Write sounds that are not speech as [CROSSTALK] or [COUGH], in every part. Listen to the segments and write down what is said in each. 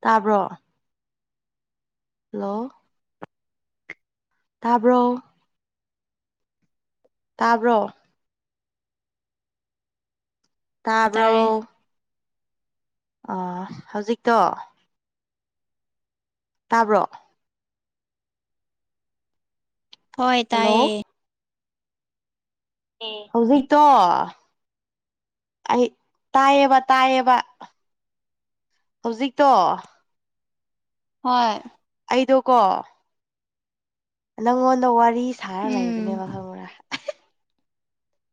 ꯇꯥꯕ꯭ꯔꯣ ꯍꯜꯂꯣ ꯇꯥꯕ꯭ꯔꯣ ꯇꯥꯕ꯭ꯔꯣ ꯇꯥꯕ꯭ꯔꯣ ꯇꯥꯔꯦ ꯑꯥ ꯍꯧꯖꯤꯛꯇꯣ ꯇꯥꯕ꯭ꯔꯣ ꯍꯣꯏ ꯍꯜꯂꯣ ꯇꯥꯏꯌꯦ ꯑꯦ ꯍꯧꯖꯤꯛꯇꯣ ꯑꯩ ꯇꯥꯏꯌꯦꯕ ꯇꯥꯏꯌꯦꯕ ꯍꯧꯖꯤꯛꯇꯣ ꯍꯣꯏ ꯑꯩꯗꯣ ꯀꯣ ꯅꯪꯉꯣꯟꯗ ꯋꯥꯔꯤ ꯁꯥꯔ ꯎꯝ ꯂꯩꯕꯅꯦꯕ ꯈꯪꯕ꯭ꯔꯥ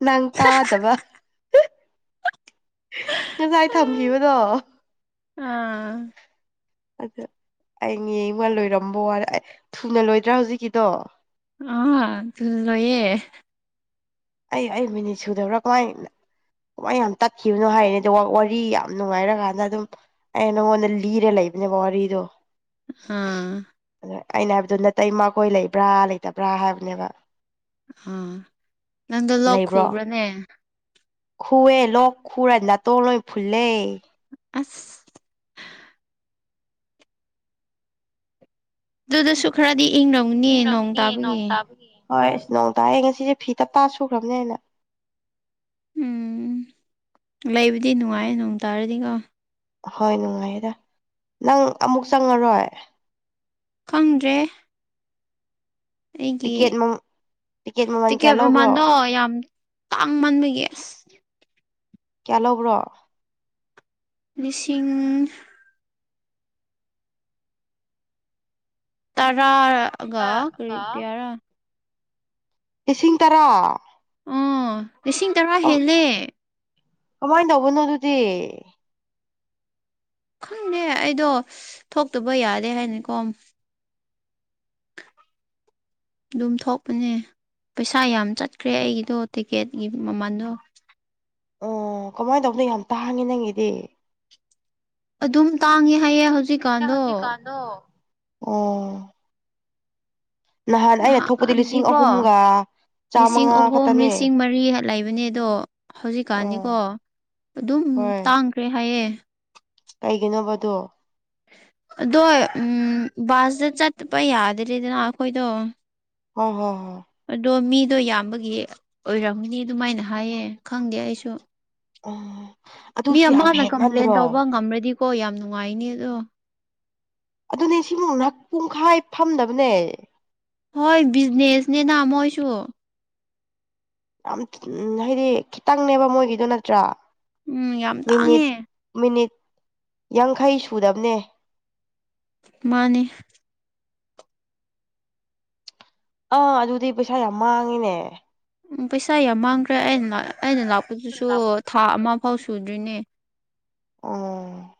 ꯅꯪ ꯇꯥꯗꯕ ꯉꯁꯥꯏ ꯊꯝꯈꯤꯕꯗꯣ ꯑꯥ ꯑꯗ ꯑꯩ ꯉꯦꯡꯕ ꯂꯣꯏꯔꯝꯕ ꯋꯥꯅꯦ ꯊꯨꯅ ꯂꯣꯏꯗ꯭ꯔꯥ ꯍꯧꯖꯤꯛꯀꯤꯗꯣ ꯑꯥ ꯂꯣꯏꯌꯦ ꯑꯩ ꯑꯩ ꯃꯤꯅꯤꯠ ꯁꯨꯗꯕ꯭ꯔꯥ ꯀꯃꯥꯏꯟ ꯀꯃꯥꯏꯅ ꯌꯥꯝ ꯇꯠꯈꯤꯕꯅꯣ ꯍꯥꯏꯔꯤꯅꯤ ꯑꯗꯣ ꯋꯥꯔꯤ ꯌꯥꯝ ꯅꯨꯡꯉꯥꯏꯔꯀꯥꯟꯗ ꯑꯗꯨꯝ ꯑꯩꯅ ꯅꯪꯉꯣꯟꯗ ꯂꯤꯔꯥ ꯂꯩꯕꯅꯦꯕꯥ ꯋꯥꯔꯤꯗꯣ ꯑꯥ ꯑꯩꯅ ꯍꯥꯏꯕꯗꯣ ꯅꯥꯇꯩꯃꯥ ꯈꯣꯏ ꯂꯩꯕ꯭ꯔꯥ ꯂꯩꯇꯕ꯭ꯔꯥ ꯍꯥꯏꯕꯅꯦꯕ ꯑꯥ ꯅꯪꯗꯣ ꯂꯣꯛꯈꯨꯕ꯭ꯔꯅꯦ ꯈꯨꯋꯦ ꯂꯣꯛ ꯈꯨꯔꯥ ꯅꯇꯣꯟ ꯂꯣꯏ ꯐꯨꯨꯜꯂꯦ ꯑꯁ ꯑꯗꯨꯗꯁꯨ ꯈꯔꯗꯤ ꯏꯪꯔꯧ ꯏꯪꯂꯝꯒꯅꯤ ꯅꯣꯡ ꯇꯥꯕꯒꯤ ꯍꯣꯏ ꯑꯁ ꯅꯣꯡ ꯇꯥꯑꯦ ꯉꯁꯤꯁꯦ ꯐꯤ ꯇꯞꯇꯥꯥ ꯁꯨꯈ꯭ꯔꯕꯅꯦ ꯑꯩꯅ ꯎꯝ ꯂꯩꯕꯗꯤ ꯅꯨꯡꯉꯥꯏ ꯅꯣꯡ ꯇꯥꯔꯗꯤꯀꯣ ꯍꯣꯏ ꯅꯨꯡꯉꯥꯏꯌꯦꯗ ꯅꯪ ꯑꯃꯨꯛ ꯆꯪꯉꯔꯣꯏ ꯈꯪꯗ꯭ꯔꯦ ꯑꯩꯒꯤ ꯇꯤꯀꯦꯠ ꯃꯃꯜ ꯀꯌꯥ ꯇꯤꯀꯦꯠ ꯂꯧꯕ꯭ꯔꯣ ꯃꯃꯜꯗꯣ ꯌꯥꯝ ꯇꯥꯡꯃꯟꯕꯒꯤ ꯑꯁ ꯀꯥꯌ ꯂꯧꯕ꯭ꯔꯣ ꯂꯤꯁꯤꯡ ꯇꯔꯥꯒ ꯀꯔꯤ ꯀ꯭ꯌꯥꯔ ꯂꯤꯁꯤꯡ ꯇꯥꯔ ꯑꯣ ꯂꯤꯁꯤꯡ ꯇꯥꯔ ꯍꯦꯜꯂꯦ ꯀꯃꯥꯏꯅ ꯇꯧꯕꯅꯣ ꯑꯗꯨꯗꯤ ꯈꯪꯗꯦ ꯑꯩꯗꯣ ꯊꯣꯛꯇꯕ ꯌꯥꯗꯦ ꯍꯥꯏꯅꯀꯣ [INAUDIBLE] ꯗꯨꯝ ꯊꯣꯛꯄꯅꯦ ꯄꯩꯁꯥ ꯌꯥꯝ ꯆꯠꯈ꯭ꯔꯦ ꯑꯩꯒꯤꯗꯣ ꯇꯤꯛꯀꯦꯠꯀꯤ ꯃꯃꯟꯗꯣ ꯑꯣ ꯀꯃꯥꯏꯅ ꯇꯧꯕꯅꯣ ꯌꯥꯝ ꯇꯥꯡꯉꯦ ꯅꯪꯒꯤꯗꯤ ꯑꯗꯨꯝ ꯇꯥꯡꯉꯦ ꯍꯥꯏꯌꯦ ꯍꯧꯖꯤꯛ ꯍꯧꯖꯤꯛ ꯀꯥꯟꯗꯣ ꯑꯣ ꯅꯍꯥꯟ ꯑꯩꯅ ꯊꯣꯛꯄꯗꯤ ꯂꯤꯁꯤꯡ ꯉꯍꯥꯟꯗꯤꯀꯣ ꯑꯍꯨꯝꯒ ꯂꯤꯁꯤꯡ ꯆꯥꯃꯉꯥ ꯑꯍꯨꯝ ꯈꯛꯇꯅꯦ ꯂꯤꯁꯤꯡ ꯃꯔꯤ ꯂꯩꯕꯅꯦ ꯑꯗꯣ ꯎꯝ ꯍꯧꯖꯤꯛꯀꯥꯟꯗꯤꯀꯣ ꯑꯗꯨꯝ ꯇꯥꯡꯈ꯭ꯔꯦ ꯍꯥꯏꯌꯦ ꯀꯩꯒꯤꯅꯣꯕ ꯑꯗꯨ ꯑꯗꯣ ꯎꯝ ꯕꯥꯁꯇ ꯆꯠꯄ ꯌꯥꯗ꯭ꯔꯦꯗꯅ ꯑꯈꯣꯏꯗꯣ ꯍꯣ ꯍꯣ ꯍꯣ ꯑꯗꯣ ꯃꯤꯗꯣ ꯌꯥꯝꯕꯒꯤ ꯑꯣꯏꯔꯝꯅꯤ ꯑꯗꯨꯃꯥꯏꯅ ꯍꯥꯏꯌꯦ ꯈꯪꯗꯦ ꯑꯩꯁꯨ ꯎꯝ ꯃꯤ ꯑꯗꯨꯁꯨ ꯌꯥꯝ ꯑꯃꯅ ꯀꯝꯄ꯭ꯂꯦꯟ ꯍꯦꯟꯃꯟꯗ꯭ꯔꯣ ꯇꯧꯕ ꯉꯝꯃꯗꯤꯀꯣ ꯌꯥꯝ ꯅꯨꯡꯉꯥꯏꯅꯤꯗꯣ ꯑꯗꯨꯅꯦ ꯁꯤꯒꯨꯝꯅ ꯄꯨꯡꯈꯥꯏ ꯐꯝꯅꯕꯅꯦ ꯍꯣꯏ ꯕꯤꯖꯤꯅꯦꯁꯅꯤꯅ ꯃꯣꯏꯁꯨ ꯌꯥꯝ ꯍꯥꯏꯗꯤ ꯈꯤꯇꯪꯅꯦꯕ ꯃꯣꯏꯒꯤꯗꯣ ꯅꯠꯇ꯭ꯔꯥ ꯎꯝ ꯌꯥꯝ ꯃꯤꯅꯤꯠ ꯇꯥꯡꯉꯦ ꯃꯤꯅꯤꯠ ꯌꯥꯡꯈꯩ ꯁꯨꯗꯕꯅꯦ ꯃꯥꯅꯤ ꯑꯥ ꯑꯗꯨꯗꯤ ꯄꯩꯁꯥ ꯌꯥꯝ ꯃꯥꯡꯉꯤꯅꯦ ꯎꯝ ꯄꯩꯁꯥ ꯌꯥꯝ ꯃꯥꯡꯈ꯭ꯔꯦ ꯑꯩꯅ ꯑꯩꯅ ꯂꯥꯛꯄꯗꯨꯁꯨ ꯊꯥ ꯑꯃ ꯐꯥꯎ ꯁꯨꯗ꯭ꯔꯤꯅꯦ ꯑꯣ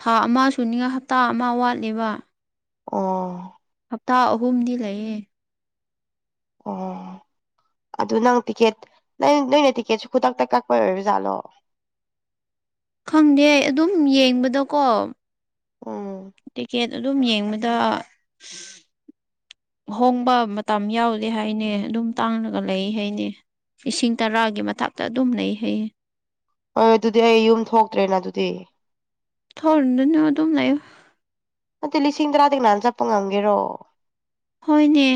ꯊꯥ ꯑꯃ ꯁꯨꯅꯤꯅ ꯍꯞꯇꯥ ꯑꯃ ꯋꯥꯠꯂꯤꯕ ꯑꯣ ꯍꯞꯇꯥ ꯑꯍꯨꯝꯗꯤ ꯂꯩꯌꯦ ꯑꯣ ꯑꯗꯨ ꯅꯪ ꯇꯤꯛꯀꯦꯠ ꯅꯪ ꯅꯣꯏꯅ ꯇꯤꯛꯀꯦꯠꯁꯨ ꯈꯨꯗꯛꯇ ꯀꯛꯄ ꯑꯣꯏꯔꯖꯥꯠꯂꯣ ꯈꯪꯗꯦ ꯑꯗꯨꯝ ꯌꯦꯡꯕꯗꯀꯣ ꯎꯝ ꯇꯤꯀꯦꯠ ꯑꯗꯨꯝ ꯌꯦꯡꯕꯗ ꯍꯣꯡꯕ ꯃꯇꯝ ꯌꯥꯎꯗꯦ ꯍꯥꯏꯅꯦ ꯗꯨꯝ ꯇꯥꯡꯂꯒ ꯂꯩ ꯍꯥꯏꯅꯦ ꯂꯤꯁꯤꯡ ꯇꯥꯔꯒꯤ ꯃꯊꯛꯇ ꯑꯗꯨꯝ ꯂꯩ ꯍꯩꯌꯦ ꯍꯣꯏ ꯑꯗꯨꯗꯤ ꯑꯩ ꯌꯨꯝ ꯊꯣꯛꯇ꯭ꯔꯦꯅ ꯑꯗꯨꯗꯤ ꯊꯣꯛꯔꯨꯗꯅꯣ ꯑꯗꯨꯝ ꯂꯩꯌꯣ ꯅꯠꯇꯦ ꯂꯤꯁꯤꯡ ꯇꯥꯔꯗꯤ ꯀꯥꯅ ꯆꯠꯄ ꯉꯝꯒꯦꯔꯣ ꯍꯣꯏꯅꯦ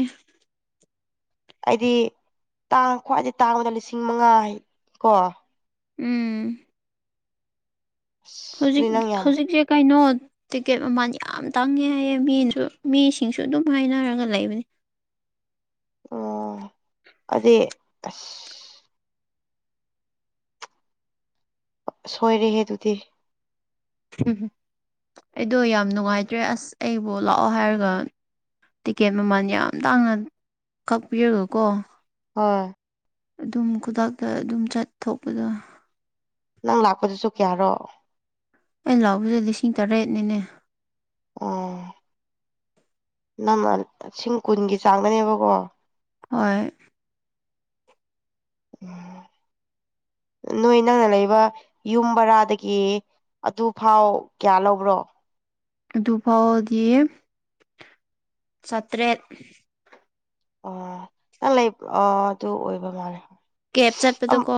ꯑꯩꯗꯤ ꯇꯥꯡ ꯈ꯭ꯋꯥꯏꯗꯩ ꯇꯥꯡꯕꯗ ꯂꯤꯁꯤꯡ ꯃꯉꯥ ꯀꯣ ꯎꯝ ꯑꯗꯨꯗꯤ ꯍꯧꯖꯤꯛ ꯅꯪ ꯌꯥꯝ ꯍꯧꯖꯤꯛꯁꯦ ꯀꯩꯅꯣ ꯇꯤꯛꯀꯦꯠ ꯃꯃꯥꯟ ꯌꯥꯝ ꯇꯥꯡꯉꯦ ꯍꯥꯏꯌꯦ ꯃꯤꯁꯨ ꯃꯤꯁꯤꯡꯁꯨ ꯑꯗꯨꯝ ꯍꯥꯏꯅꯔꯒ ꯂꯩꯕꯅꯦ ꯑꯣ ꯑꯗꯨꯏ ꯑꯁ ꯁꯣꯏꯔꯦꯍꯦ ꯗꯨꯗꯤ ꯎꯝ ꯑꯩꯗꯣ ꯌꯥꯝ ꯅꯨꯡꯉꯥꯏꯇ꯭ꯔꯦ ꯑꯁ ꯑꯩꯕꯨ ꯂꯥꯛꯑꯣ ꯍꯥꯏꯔꯒ ꯇꯤꯀꯦꯠ ꯃꯃꯥꯜ ꯌꯥꯝ ꯇꯥꯡꯅ ꯀꯥꯛꯄꯤꯔꯒꯀꯣ ꯍꯣꯏ ꯑꯗꯨꯝ ꯈꯨꯗꯛꯇ ꯑꯗꯨꯝ ꯆꯥꯠꯊꯣꯛꯄꯗꯣ ꯅꯪ ꯂꯥꯛꯄꯗꯨꯁꯨ ꯀꯌꯥꯔꯣ ꯑꯩ ꯂꯥꯛꯄꯗꯨ ꯂꯤꯁꯤꯡ ꯇꯔꯦꯠꯅꯤꯅꯦ ꯑꯣ ꯅꯪꯅ ꯁꯤꯡ ꯀꯨꯟꯒꯤ ꯆꯥꯡꯗꯅꯦꯕꯀꯣ ꯍꯣꯏ ꯅꯣꯏ ꯅꯪꯅ ꯂꯩꯕ ꯌꯨꯝ ꯕꯔꯥꯗꯒꯤ ꯑꯗꯨ ꯐꯥꯎ ꯀꯌꯥ ꯂꯧꯕ꯭ꯔꯣ ꯑꯗꯨꯐꯥꯎꯗꯤ ꯆꯥꯇ꯭ꯔꯦꯠ ꯑꯣ ꯅꯪ ꯂꯩ ꯑꯥ ꯑꯗꯨ ꯑꯣꯏꯕ ꯃꯥꯜꯂꯦ ꯀꯦꯕ ꯆꯥꯠꯄꯗꯀꯣ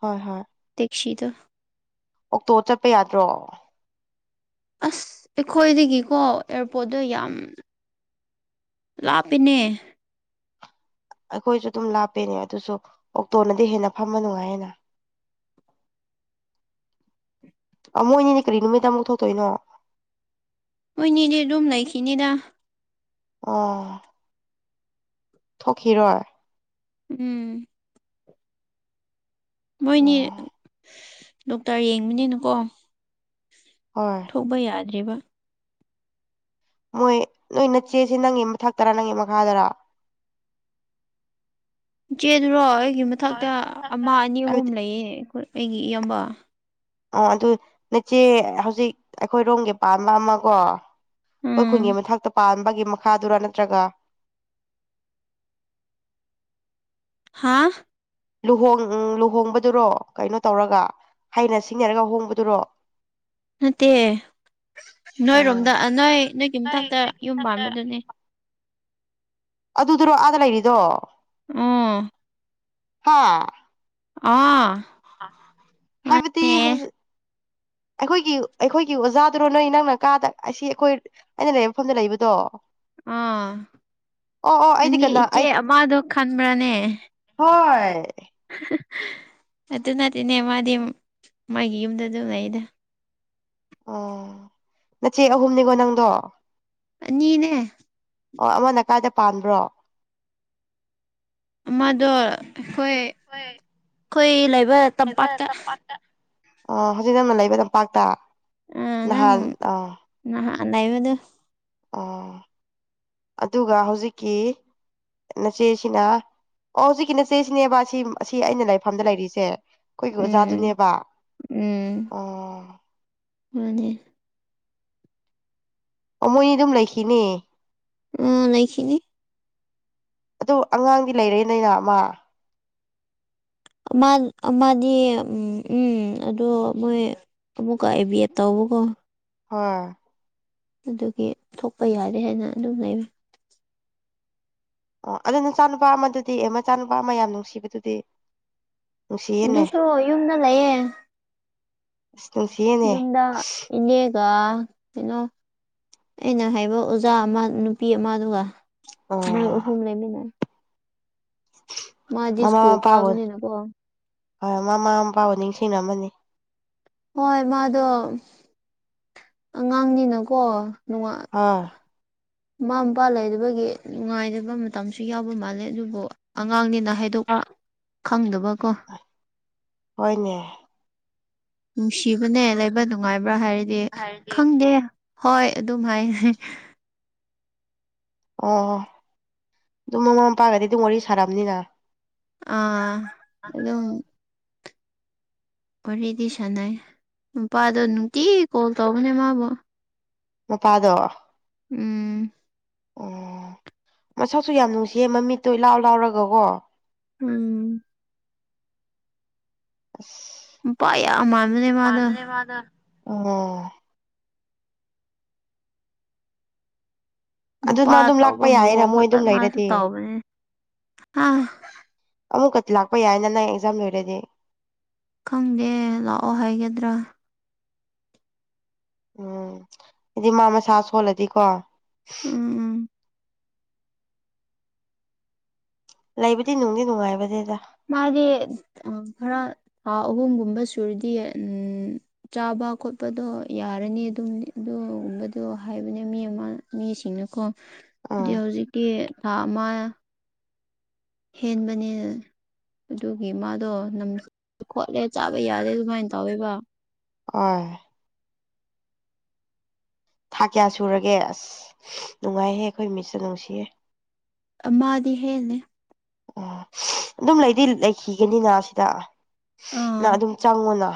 ꯍꯣꯏ ꯍꯣꯏ ꯇꯦꯛꯁꯤꯗꯣ ꯑꯣꯛꯇꯣ ꯆꯥꯠꯄ ꯌꯥꯗ꯭ꯔꯣ ꯑꯁ ꯑꯩꯈꯣꯏꯗꯒꯤꯀꯣ ꯑꯦꯌꯥꯔꯄꯣꯠꯇꯣ ꯌꯥꯝ ꯂꯥꯞꯄꯤꯅꯦ ꯑꯈꯣꯏꯁꯨ ꯑꯗꯨꯝ ꯂꯥꯞꯄꯦꯅꯦ ꯑꯗꯨꯁꯨ ꯑꯣꯛꯇꯣꯅꯗꯤ ꯍꯦꯟꯅ ꯐꯥꯝꯕ ꯅꯨꯡꯉꯥꯏꯌꯦꯅ ꯑꯥ ꯃꯣꯏꯅꯤꯗꯤ ꯀꯔꯤ ꯅꯨꯃꯤꯠꯇ ꯑꯃꯨꯛ ꯊꯣꯛꯇꯣꯏꯅꯣ ꯃꯣꯏꯅꯤꯗꯤ ꯑꯗꯨꯝ ꯂꯩꯈꯤꯅꯤꯗꯥ ꯑꯣ ꯊꯣꯛꯈꯤꯔꯣꯏ ꯎꯝ ꯃꯣꯏꯅꯤ ꯑꯣ ꯗꯣꯛꯇꯔ ꯌꯦꯡꯕꯅꯤꯅꯀꯣ ꯍꯣꯏ ꯊꯣꯛꯕ ꯌꯥꯗ꯭ꯔꯤꯕ ꯃꯣꯏ ꯅꯣꯏ ꯅꯠꯆꯦꯁꯦ ꯅꯪꯒꯤ ꯃꯊꯛꯇꯔꯥ ꯅꯪꯒꯤ ꯃꯈꯥꯗꯔꯥ ꯏꯆꯦꯗꯨꯔꯣ ꯑꯩꯒꯤ ꯃꯊꯛꯇ ꯑꯃ ꯑꯅꯤ ꯑꯍꯨꯝ ꯂꯩꯌꯦ ꯑꯩꯒꯤ ꯏꯌꯥꯝꯕ ꯑꯣ ꯑꯗꯨ ꯅꯆꯦ ꯍꯧꯖꯤꯛ ꯑꯩꯈꯣꯏꯔꯣꯝꯒꯤ ꯄꯥꯟꯕ ꯑꯃꯀꯣ ꯑꯈꯣꯏ ꯎꯝ ꯈꯨꯟꯒꯤ ꯃꯊꯛꯇ ꯄꯥꯟꯕꯒꯤ ꯃꯈꯥꯗꯨꯔꯥ ꯅꯠꯇ꯭ꯔꯒ ꯍꯥꯥ ꯂꯨꯍꯣꯡ ꯎꯪ ꯂꯨꯍꯣꯡꯕꯗꯨꯔꯣ ꯀꯩꯅꯣ ꯇꯧꯔꯒꯥ ꯍꯥꯏꯅ ꯁꯤꯡꯅꯔꯒ ꯍꯣꯡꯕꯗꯨꯔꯣ ꯅꯠꯇꯦ ꯑꯣ ꯅꯣꯏꯔꯣꯝꯗ ꯑ ꯅꯣꯏ ꯅꯣꯏꯒꯤ ꯃꯊꯛꯇ ꯌꯨꯝ ꯄꯥꯟꯕꯗꯨꯅꯦ ꯑꯗꯨꯗꯨꯔꯣ ꯑꯥꯗ ꯂꯩꯔꯤꯗꯣ ꯎꯝ ꯍꯥꯥ ꯑꯥ ꯍꯥꯏꯕꯗꯤ ꯅꯦ ꯍꯧꯖ ꯑꯩꯈꯣꯏꯒꯤ ꯑꯩꯈꯣꯏꯒꯤ ꯑꯣꯖꯥꯗꯨꯔꯣ ꯅꯣꯏ ꯅꯪꯅ ꯀꯥꯗ ꯑꯁꯤ ꯑꯩꯈꯣꯏ ꯑꯩꯅ ꯂꯩꯕ ꯃꯐꯝꯗ ꯂꯩꯕꯗꯣ ꯑꯥ ꯑꯣ ꯑꯣ ꯑꯩꯗꯤ ꯅꯪꯗꯤ ꯀꯅꯥ ꯏꯆꯦ ꯑꯩꯗꯤ ꯑꯃꯗꯣ ꯈꯟꯕ꯭ꯔꯥꯅꯦ ꯍꯣꯏ [UNINTELLIGIBLE] ꯑꯗꯨ ꯅꯠꯇꯦꯅꯦ ꯃꯥꯗꯤ ꯃꯥꯒꯤ ꯌꯨꯝꯗ ꯑꯗꯨꯝ ꯂꯩꯩꯌꯦꯗ ꯑꯣ ꯅꯆꯦ ꯑꯍꯨꯝꯅꯤꯀꯣ ꯅꯪꯗꯣ ꯑꯅꯤꯅꯦ ꯑꯣ ꯑꯃꯅ ꯀꯥꯏꯗ ꯄꯥꯟꯕ꯭ꯔꯣ ꯑꯃꯗꯣ ꯑꯩꯈꯣꯏ ꯑꯈꯣꯏ ꯂꯩꯕ ꯇꯥꯝꯄꯥꯛꯇ ꯑꯥ ꯍꯧꯖꯤꯛ ꯅꯪꯅ ꯂꯩꯕ ꯇꯝꯄꯥꯛꯇ ꯅꯪ ꯅꯍꯥꯟ ꯑ ꯅꯍꯥꯟ ꯂꯩꯕꯗꯨ ꯑꯣ ꯑꯗꯨꯒ ꯍꯧꯖꯤꯛꯀꯤ ꯅꯆꯦꯁꯤꯅ ꯑꯣ ꯍꯧꯖꯤꯛꯀꯤ ꯅꯆꯦꯁꯤꯅꯦꯕ ꯁꯤꯝ ꯑꯁꯤ ꯑꯩꯅ ꯂꯩꯐꯝꯗ ꯂꯩꯔꯤꯁꯦ ꯑꯩꯈꯣꯏꯒꯤ ꯎꯝ ꯑꯣꯖꯥꯗꯨꯅꯦꯕ ꯎꯝ ꯑꯣ ꯃꯥꯅꯦ ꯑꯣ ꯃꯣꯏꯅꯤ ꯑꯗꯨꯝ ꯂꯩꯈꯤꯅꯤ ꯎꯝ ꯂꯩꯈꯤꯅꯤ ꯑꯗꯨ ꯑꯉꯥꯡꯗꯤ ꯂꯩꯔꯦ ꯅꯩꯅ ꯑꯃ ꯑ ꯃꯥꯟ ꯑ ꯃꯥꯗꯤ ꯎꯝ ꯎꯝ ꯑꯗꯣ ꯃꯣꯏ ꯑꯃꯨꯛꯀ ꯑꯦ ꯕꯤ ꯑꯦꯞ ꯇꯧꯕꯀꯣ ꯍꯣꯏ ꯑꯗꯨꯒꯤ ꯊꯣꯛꯄ ꯌꯥꯔꯦ ꯍꯥꯏꯅ ꯑꯗꯨꯝ ꯂꯩ ꯑꯣ ꯑꯗꯨ ꯅꯆꯥꯅꯨꯄꯥ ꯑꯃꯗꯨꯗꯤ ꯑꯦ ꯃꯆꯥꯅꯨꯄꯥ ꯑꯃ ꯌꯥꯝ ꯅꯨꯡꯁꯤꯕꯗꯨꯗꯤ ꯅꯨꯡꯁꯤꯌꯦꯅꯦ ꯑꯗꯨꯁꯨ ꯌꯨꯝꯗ ꯂꯩꯌꯦ ꯅꯨꯡꯁꯤꯌꯦ ꯌꯨꯝꯗ ꯏꯅꯦ ꯒ ꯀꯩꯅꯣ ꯑꯩꯅ ꯍꯥꯏꯕ ꯑꯣꯖꯥ ꯑꯃ ꯅꯨꯄꯤ ꯑꯃꯗꯨꯒ ꯃꯣꯏ ꯑꯣ ꯑꯍꯨꯝ ꯂꯩꯃꯤꯟꯅꯩ ꯃꯥꯗꯤ ꯃꯃꯥ ꯁ꯭ꯀꯨꯜ ꯃꯄꯥꯕꯨ ꯀꯥꯕꯅꯤꯅꯀꯣ ꯍꯣꯏ ꯃꯃꯥ ꯃꯄꯥꯕꯨ ꯅꯤꯡꯁꯤꯡꯂꯝꯃꯅꯤ ꯍꯣꯏ ꯃꯥꯗꯣ ꯑꯉꯥꯡꯅꯤꯅꯀꯣ ꯅꯨꯡꯉꯥꯏ ꯑꯥ ꯃꯃꯥ ꯃꯄꯥ ꯂꯩꯇꯕꯒꯤ ꯅꯨꯡꯉꯥꯏꯗꯕ ꯃꯇꯝꯁꯨ ꯌꯥꯎꯕ ꯃꯥꯜꯂꯦ ꯑꯗꯨꯕꯨ ꯑꯉꯥꯡꯅꯤꯅ ꯍꯥꯏꯗꯣꯛꯄ ꯈꯪꯗꯕꯀꯣ ꯍꯣꯏꯅꯦ ꯅꯨꯡꯁꯤꯕꯅꯦ ꯂꯩꯕ ꯅꯨꯡꯉꯥꯏꯕ꯭ꯔ ꯍꯥꯏꯔꯗꯤ ꯈꯪꯗꯦ ꯍꯣꯏ ꯑꯗꯨꯝ ꯍꯥꯏ [UNINTELLIGIBLE] ꯑꯣ ꯑꯗꯨꯝ ꯃꯃꯥ ꯃꯄꯥꯒꯗꯤ ꯑꯗꯨꯝ ꯋꯥꯔꯤ ꯁꯥꯔꯝꯅꯤꯅ ꯑꯥ ꯑꯗꯨꯝ ꯋꯥꯔꯤꯗꯤ ꯁꯥꯟꯅꯩ ꯅꯨꯄꯥꯗꯣ ꯅꯨꯡꯇꯤꯒꯤ ꯀꯣꯜ ꯇꯧꯕꯅꯦ ꯃꯥꯕꯨ ꯅꯨꯄꯥꯗꯣ ꯎꯝ ꯑꯣ ꯃꯁꯛꯁꯨ ꯌꯥꯝ ꯅꯨꯡꯁꯤꯌꯦ ꯃꯃꯤꯠꯇꯣ ꯏꯂꯥꯎ ꯂꯥꯎꯔꯒꯀꯣ ꯎꯝ [INAUDIBLE] ꯅꯨꯄꯥ ꯌꯥꯝ ꯃꯥꯟꯕꯅꯦ ꯃꯥꯗꯣ [UNINTELLIGIBLE] ꯑꯣ ꯑꯗꯨ ꯃꯄꯥ ꯅꯪ ꯑꯗꯨꯝ ꯇꯧꯕ ꯂꯥꯛꯄ ꯌꯥꯏꯌꯦꯅ ꯃꯋꫭꯡ ꯃꯣꯏ ꯈꯛꯇ ꯑꯗꯨꯝ ꯃꯥꯁꯨ ꯂꯩꯔꯗꯤ ꯇꯧꯕꯅꯦ [UNINTELLIGIBLE] ꯑꯃꯨꯛꯀꯛꯇꯤ ꯂꯥꯛꯄ ꯌꯥꯏꯅ ꯅꯪ ꯑꯦꯛꯖꯥꯝ ꯂꯣꯏꯔꯗꯤ ꯈꯪꯗꯦ ꯂꯥꯛꯑꯣ ꯍꯥꯏꯒꯗ꯭ꯔ ꯎꯝ ꯍꯥꯏꯗꯤ ꯃꯥ ꯃꯁꯥ ꯁꯣꯜꯂꯗꯤꯀꯣ ꯎꯝ ꯎꯝ ꯂꯩꯕꯗꯤ ꯅꯨꯡꯗꯤ ꯅꯨꯡꯉꯥꯏꯕꯅꯤꯗ ꯃꯥꯗꯤ ꯈꯔ ꯊꯥ ꯑꯍꯨꯝꯒꯨꯝꯕ ꯁꯨꯔꯗꯤ ꯎꯟ ꯆꯥꯕ ꯈꯣꯠꯄꯗꯣ ꯌꯥꯔꯅꯤ ꯑꯗꯨꯝ ꯑꯗꯨꯒꯨꯝꯕꯗꯣ ꯍꯥꯏꯕꯅꯦ ꯃꯤ ꯑꯃ ꯃꯤꯁꯤꯡꯅꯀꯣ ꯎꯝ [UNINTELLIGIBLE] ꯍꯧꯖꯤꯛꯇꯤ ꯊꯥ ꯑꯃ ꯍꯦꯟꯕꯅꯦ ꯑꯗꯨꯒꯤ ꯃꯥꯗꯣ ꯅꯝ ꯈꯣꯠꯂꯦ ꯆꯥꯕ ꯌꯥꯗꯦ ꯑꯗꯨꯃꯥꯏꯅ ꯇꯧꯋꯦꯕ ꯑꫭꯏ ꯊꯥ ꯀꯌꯥ ꯁꯨꯔꯒꯦ ꯑꯁ ꯅꯨꯡꯉꯥꯏꯍꯦ ꯑꯩꯈꯣꯏ ꯃꯤꯁꯇꫭ ꯅꯨꯡꯁꯤꯌꯦ ꯑꯃꯗꯤ ꯍꯦꯜꯂꯦ ꯑꯣ [UNINTELLIGIBLE] ꯑꯗꯨꯝ ꯂꯩꯗꯤ ꯂꯩꯈꯤꯒꯅꯤꯅ ꯁꯤꯗ ꯑꯥ ꯅꯪ ꯑꯗꯨꯝ ꯆꯪꯉꯣꯅ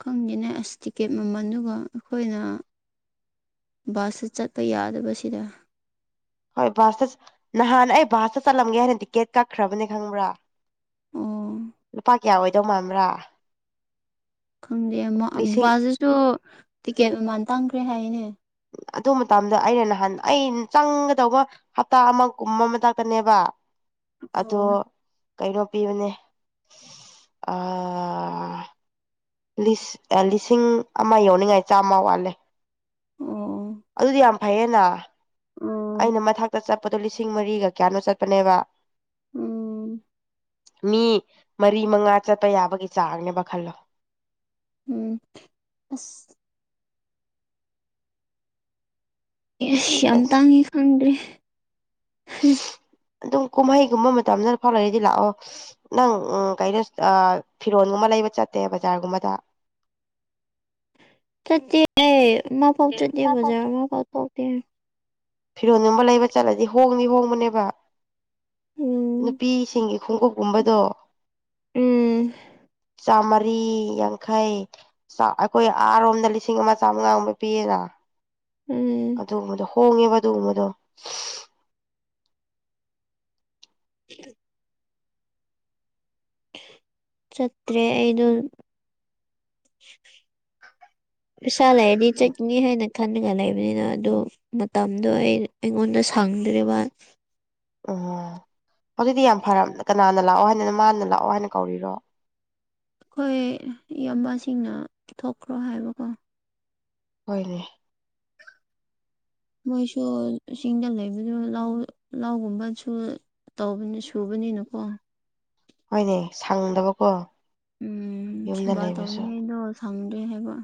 ꯈꯪꯗꯦꯅꯦ ꯑꯁ ꯇꯤꯛꯀꯦꯠ ꯃꯃꯟꯗꯨꯒ ꯑꯈꯣꯏꯅ ꯕꯥꯁꯨ ꯆꯠꯄ ꯌꯥꯗꯕꯁꯤꯗ ꯍꯣꯏ ꯕꯥꯁꯇ ꯅꯍꯥꯟ ꯑꯩ ꯕꯥꯁꯇ ꯆꯠꯂꯝꯒꯦ ꯍꯥꯏꯅ ꯇꯤꯛꯀꯦꯠ ꯀꯛꯈ꯭ꯔꯕꯅꯦ ꯈꯪꯕ꯭ꯔ ꯑꯣ ꯂꯨꯄꯥ ꯀꯌꯥ ꯑꯣꯏꯗꯧ ꯃꯥꯟꯕ꯭ꯔ ꯈꯪꯗꯦ [UNINTELLIGIBLE] ꯕꯥꯁꯤꯁꯨ ꯇꯤꯛꯀꯦꯠ ꯃꯃꯟ ꯇꯥꯡꯈ꯭ꯔꯦ ꯍꯥꯏꯅꯦ ꯑꯗꯨ ꯃꯇꯝꯗ ꯑꯩꯅ ꯅꯍꯥꯟ ꯑꯩꯅ ꯆꯪꯒꯗꯧꯕ ꯍꯞꯇꯥ ꯑꯃꯒꯨꯝꯕ ꯃꯗꯛꯇꯅꯦꯕ ꯑꯗꯣ ꯑꯣ ꯀꯩꯅꯣ ꯄꯤꯕꯅꯦ ꯑꯥ ꯂꯤꯁꯤꯡ ꯑꯃ ꯌꯧꯅꯤꯡꯉꯥꯏ ꯆꯥꯝꯃ ꯋꯥꯠꯂꯦ ꯎꯝ ꯑꯗꯨꯗꯤ ꯌꯥꯝ ꯐꯩꯌꯦꯅ ꯎꯝ ꯑꯩꯅ ꯃꯊꯛꯇ ꯆꯠꯄꯗꯣ ꯂꯤꯁꯤꯡ ꯃꯔꯤꯒ ꯀꯌꯥꯅꯣ ꯆꯠꯄꯅꯦꯕ ꯎꯝ ꯃꯤ ꯃꯔꯤ ꯃꯉꯥ ꯆꯠꯄ ꯌꯥꯕꯒꯤ ꯆꯥꯡꯅꯦꯕ ꯈꯜꯂꯣ ꯎꯝ ꯑꯁ ꯢꯁ ꯌꯥꯝ ꯑꯁ ꯇꯥꯡꯉꯦ ꯈꯪꯗꯦ ꯑꯗꯨꯝ ꯀꯨꯝꯍꯩꯒꯨꯝꯕ ꯃꯇꯝꯗ ꯐꯥꯎ ꯂꯩꯔꯗꯤ ꯂꯥꯛꯑꯣ ꯅꯪ ꯎ ꯀꯩꯅꯣꯑ ꯐꯤꯔꯣꯟꯒꯨꯝꯕ ꯂꯩꯕ ꯆꯠꯇꯦ ꯕꯖꯥꯔꯒꯨꯝꯕꯗ ꯆꯇꯤ ꯑꯩ ꯃꯄꯥꯎ ꯆꯗꯦ ꯕꯖꯥꯔ ꯃꯥ ꯄꯥꯎꯊꯣꯛꯇꯦ ꯐꯤꯔꯣꯟꯜꯒꯨꯝꯕ ꯂꯩꯕ ꯆꯠꯂꯗꯤ ꯍꯣꯡꯅꯤ ꯍꯣꯡꯕꯅꯦꯕ ꯎꯝ ꯅꯨꯄꯤꯁꯤꯡꯒꯤ ꯈꯣꯡꯎꯞꯀꯨꯝꯕꯗꯣ ꯎꯝ ꯆꯥꯝꯃꯔꯤ ꯌꯥꯡꯈꯩ ꯑꯩꯈꯣꯏ ꯑꯥꯔꯣꯝꯗ ꯂꯤꯁꯤꯡ ꯑꯃ ꯆꯥꯝꯃꯉꯥ ꯉꯨꯝꯕꯄꯤꯌꯦꯅ ꯎꯝ ꯑꯗꯨꯒꯨꯝꯕꯗꯣ ꯍꯣꯡꯉꯦꯕ ꯑꯗꯨꯒꯨꯝꯕꯗꯣ [UNINTELLIGIBLE] ꯆꯠꯇ꯭ꯔꯦ ꯑꯩꯩꯗꯣ ꯄꯤꯁꯥ ꯂꯩꯔꯗꯤ ꯎꯝ ꯆꯠꯀꯅꯤ ꯍꯥꯏꯅ ꯈꯟꯂꯒ ꯂꯩꯕꯅꯤꯅ ꯑꯗꯨ ꯃꯇꯝꯗꯣ ꯑꯩ ꯑꯩꯉꯣꯟꯗ ꯁꯥꯡꯗ꯭ꯔꯤꯕ ꯑꯣ ꯑꯗꯨꯗꯤ ꯌꯥꯝ ꯐꯔꯕ ꯀꯅꯥꯅ ꯂꯥꯛꯑꯣ ꯍꯥꯏꯗꯅ ꯃꯥꯅ ꯂꯥꯛꯑꯣ ꯍꯥꯏꯅ ꯀꯧꯔꯤꯔꯣ ꯑꯩꯈꯣꯏ ꯏꯌꯥꯝꯕꯁꯤꯡꯅ ꯄꯤꯊꯣꯛꯈ꯭ꯔꯣ ꯍꯥꯏꯕꯀꯣ ꯍꯣꯏ ꯅꯦ ꯃꯣꯏꯁꯨ ꯆꯤꯡꯗ ꯂꯩꯕꯅꯤꯅ ꯂꯥꯎꯒꯨꯝꯕꯁꯨ ꯇꯧꯕꯅꯤ ꯁꯨꯕꯅꯤꯅꯀꯣ ꯍꯣꯏꯅꯦ ꯁꯪꯗꯕꯀꯣ ꯎꯝ ꯌꯨꯝꯗ ꯁꯤꯕꯥ ꯂꯩꯕꯁꯨ ꯇꯧꯅꯤꯗꯣ ꯁꯪꯗꯦ ꯍꯥꯏꯕ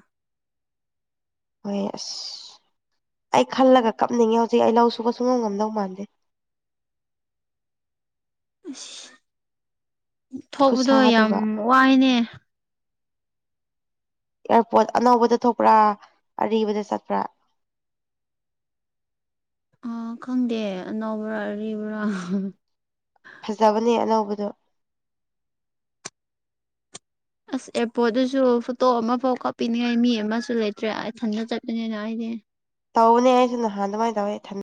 ꯍꯣꯏ ꯑꯁ ꯑꯩ ꯈꯜꯂꯒ ꯀꯞꯅꯤꯡꯉꯦ ꯍꯧꯖꯤꯛ ꯑꯩ ꯂꯧ ꯁꯨꯕ ꯁꯨꯡ ꯉꯝ ꯉꯝꯗꯧ ꯃꯥꯟꯗꯦ ꯑꯁ ꯊꯣꯛꯄꯗꯣ ꯌꯥꯝ ꯈꯨꯠꯁꯥꯗꯨꯒ ꯋꯥꯏꯅꯦ ꯑꯦꯌꯥꯔꯄꯣꯔꯠ ꯑꯅꯧꯕꯗ ꯊꯣꯛꯄ꯭ꯔꯥ ꯑꯔꯤꯕꯗ ꯆꯠꯄ꯭ꯔꯥ ꯑ ꯈꯪꯗꯦ ꯑꯅꯧꯕ꯭ꯔꯥ ꯑꯔꯤꯕ꯭ꯔꯥ ꯐꯖꯕꯅꯦ ꯑꯅꯧꯕꯗꯣ ꯑꯁ ꯑꯦꯔꯄꯣꯔꯗꯁꯨ ꯐꯣꯇꯣ ꯑꯃꯐꯥꯎ ꯀꯥꯞꯄꯤꯅꯤꯡꯉꯥꯏ ꯃꯤ ꯑꯃꯁꯨ ꯂꯩꯇ꯭ꯔꯦ ꯏꯊꯟꯗ ꯆꯠꯄꯅꯤꯅ ꯑꯩꯗꯤ ꯇꯧꯕꯅꯦ ꯑꯩꯁꯨ ꯅꯍꯥꯟ ꯑꯗꯨꯃꯥꯏꯅ ꯇꯧꯋꯦ ꯊꯟ